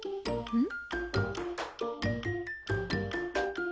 うん。